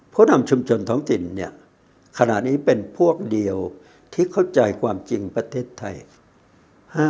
ผู้นำชุมชนท้องถิ่นเนี่ยขณะนี้เป็นพวกเดียวที่เข้าใจความจริงประเทศไทย